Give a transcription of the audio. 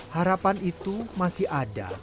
harapan itu masih ada